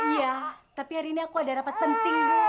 iya tapi hari ini aku ada rapat penting